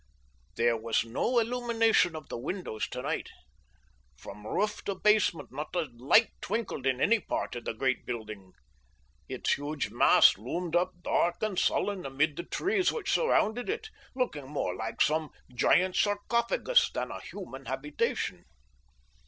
There was no illumination of the windows tonight. From roof to basement not a light twinkled in any part of the great building. Its huge mass loomed up dark and sullen amid the trees which surrounded it, looking more like some giant sarcophagus than a human habitation.